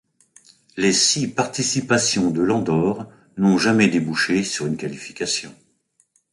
Les six participations de l'Andorre n'ont jamais débouché sur une qualification.